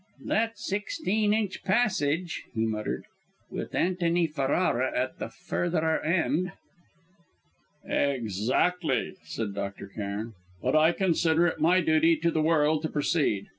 "That sixteen inch passage," he muttered "with Antony Ferrara at the further end!" "Exactly!" said Dr. Cairn. "But I consider it my duty to the world to proceed.